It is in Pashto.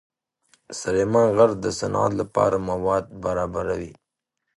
سلیمان غر د صنعت لپاره مواد برابروي.